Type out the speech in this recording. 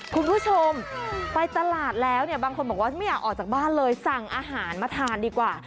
คุณผู้ชมไปตลาดแล้วเนี่ยบางคนบอกว่าไม่อยากออกจากบ้านเลยสั่งอาหารมาทานดีกว่า